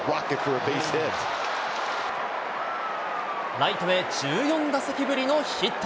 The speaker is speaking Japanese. ライトへ１４打席ぶりのヒット。